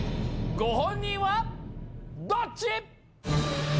ご本人はどっち？